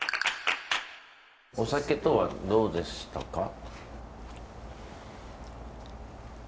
お酒とはどうでしたか？